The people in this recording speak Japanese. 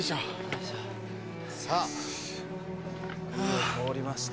さあ通りまして。